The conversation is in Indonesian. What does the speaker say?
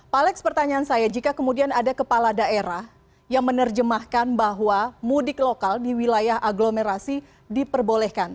bagaimana menurut anda jika kemudian ada kepala daerah yang menerjemahkan bahwa mudik lokal di wilayah aglomerasi diperbolehkan